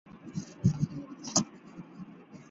同年改宣大总督。